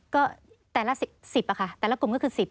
ก็แต่ละ๑๐ค่ะแต่ละกลุ่มก็คือ๑๐